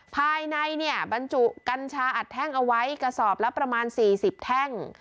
ภายในเนี่ยบรรจุกัญชาอัดแท่งเอาไว้กระสอบละประมาณ๔๐แท่ง